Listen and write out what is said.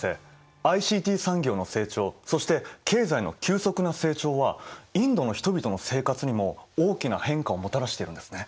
ＩＣＴ産業の成長そして経済の急速な成長はインドの人々の生活にも大きな変化をもたらしているんですね。